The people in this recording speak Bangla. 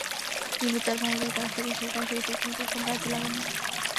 মিলু তার ভাইদের কাছ থেকে শেখা সেই টেকনিক এখন কাজে লাগাল।